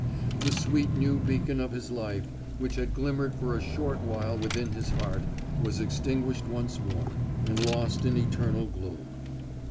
The sweet new beacon of his life, which had glimmered for a short while within his heart, was extinguished once more, and lost in eternal gloom.